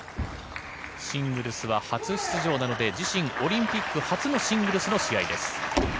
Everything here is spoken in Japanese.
シングルスは初出場なので自身オリンピック初のシングルスの試合です。